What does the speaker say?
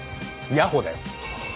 ヤホだよ。